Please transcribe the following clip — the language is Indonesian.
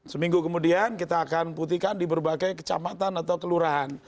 seminggu kemudian kita akan putihkan di berbagai kecamatan atau kelurahan